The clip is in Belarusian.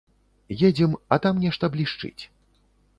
Едзем, а там нешта блішчыць.